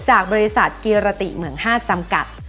จากบริษัทกิรติเหมือง๕จำกัด